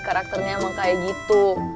karakternya emang kayak gitu